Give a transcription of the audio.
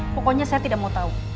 pokoknya saya tidak mau tahu